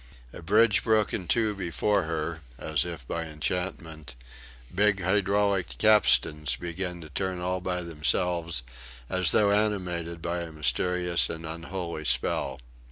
A bridge broke in two before her, as if by enchantment; big hydraulic capstans began to turn all by themselves, as though animated by a mysterious and unholy spell.